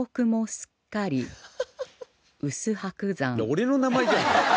俺の名前じゃん。